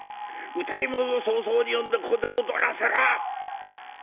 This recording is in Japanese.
歌右衛門を早々に呼んでここで踊らせろ！」。